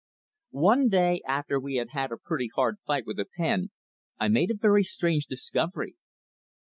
One day, after we had had a pretty hard fight with the pen, I made a very strange discovery.